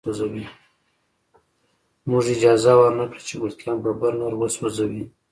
موږ اجازه ورنه کړه چې ملکیان په برنر وسوځوي